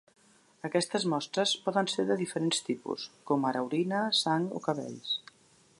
Aquestes mostres poden ser de diferents tipus, com ara orina, sang o cabells.